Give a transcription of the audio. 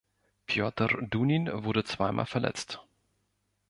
Piotr Dunin wurde zweimal verletzt.